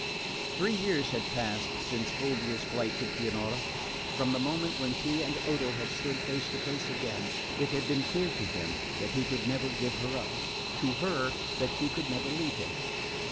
Three years had passed since Fulvia's flight to Pianura. From the moment when she and Odo had stood face to face again, it had been clear to him that he could never give her up, to her that she could never leave him.